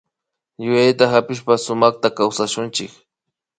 Yuyayta hapishpa sumakta kawsashunchik